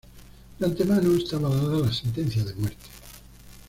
De antemano estaba dada la sentencia de muerte.